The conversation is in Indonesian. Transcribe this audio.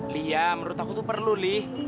li ya menurut aku tuh perlu li